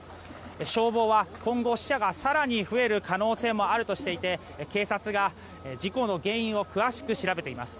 消防は今後、死者が更に増える可能性もあるとしていて警察が事故の原因を詳しく調べています。